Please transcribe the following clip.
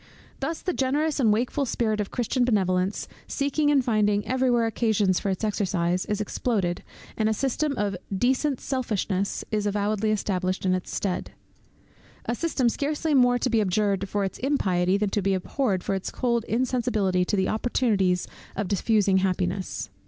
Thus the generous and wakeful spirit of Christian Benevolence, seeking and finding every where occasions for its exercise, is exploded, and a system of decent selfishness is avowedly established in its stead; a system scarcely more to be abjured for its impiety, than to be abhorred for its cold insensibility to the opportunities of diffusing happiness.